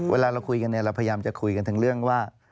เวลาเราคุยกันเราพยายามจะคุยกันถึงเรื่องว่า